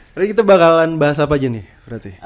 hari ini kita bakalan bahas apa aja nih